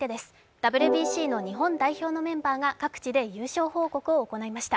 ＷＢＣの日本代表のメンバーが各地で優勝報告を行いました。